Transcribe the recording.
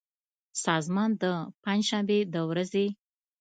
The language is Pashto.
سازمان د پنجشنبې د ورځې